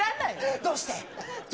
どうして？